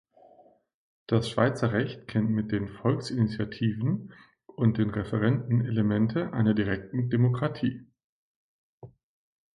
Das Schweizer Recht kennt mit den Volksinitiativen und den Referenden Elemente einer direkten Demokratie.